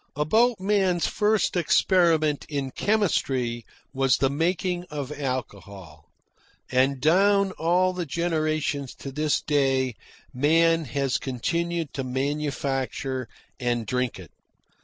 About man's first experiment in chemistry was the making of alcohol, and down all the generations to this day man has continued to manufacture and drink it.